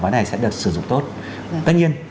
vấn đề này sẽ được sử dụng tốt tất nhiên